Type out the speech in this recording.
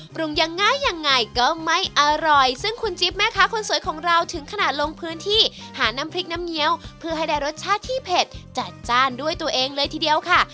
ปรุงยังไงยังไงก็ไม่อร่อยซึ่งคุณจิ๊บแม่ค้าคนสวยของเราถึงขนาดลงพื้นที่หาน้ำพริกน้ำเงี้ยวเพื่อให้ได้รสชาติที่เผ็ดจัดจ้านด้วยตัวเองเลยทีเดียวค่ะ